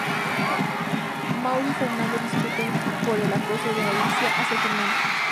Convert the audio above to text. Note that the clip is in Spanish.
Mauri y Fernando discuten por el acoso de Alicia hacia Fernando.